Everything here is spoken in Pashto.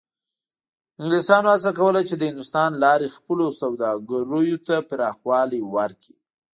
انګلیسانو هڅه کوله چې له هندوستان لارې خپلو سوداګریو ته پراخوالی ورکړي.